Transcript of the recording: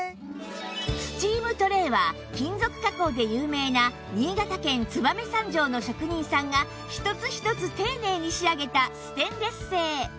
スチームトレーは金属加工で有名な新潟県燕三条の職人さんが一つ一つ丁寧に仕上げたステンレス製